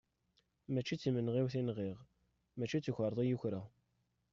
Mačči d timenɣiwt i nɣiɣ, mačči d tukarḍa i ukreɣ.